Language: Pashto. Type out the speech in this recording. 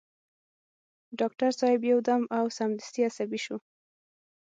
ډاکټر صاحب يو دم او سمدستي عصبي شو.